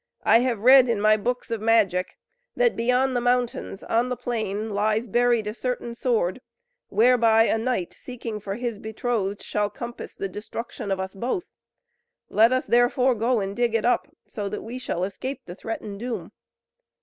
I have read in my books of magic that beyond the mountains, on a plain lies buried a certain sword, whereby a knight, seeking for his betrothed, shall compass the destruction of us both; let us therefore go and dig it up, so that we shall escape the threatened doom!'